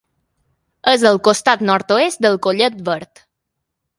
És al costat nord-oest del Collet Verd.